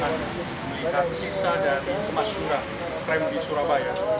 melihat sisa dan kemasyuran tram di surabaya